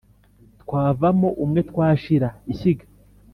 Twavamo umwe twashira:ishyiga